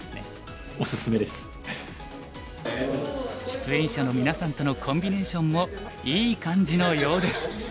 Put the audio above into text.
出演者のみなさんとのコンビネーションもいい感じのようです。